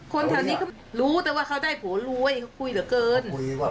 คนแถวนี้เขารู้แต่ว่าเขาได้ผัวรวยเขาคุยเหลือเกิน